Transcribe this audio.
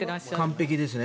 完璧ですね。